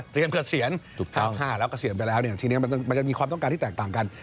๔๕๕๕เตรียมเกษียณ๕๕แล้วเกษียณไปแล้วทีนี้มันจะมีความต้องการที่แตกต่างกัน